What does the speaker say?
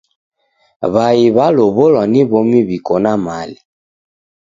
W'ai w'alow'olwa ni w'omi w'iko na mali.